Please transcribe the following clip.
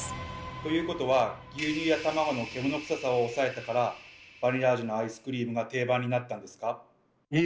ということは牛乳や卵の獣臭さを抑えたからバニラ味のアイスクリームが定番になったんですか？